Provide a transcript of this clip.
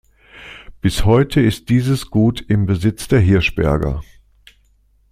Bis heute ist dieses Gut im Besitz der Hirschberger.